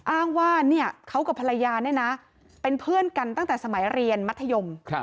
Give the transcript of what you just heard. อ้างว่าเขากับภรรยาเนี่ยนะเป็นเพื่อนกันตั้งแต่สมัยเรียนมัธยม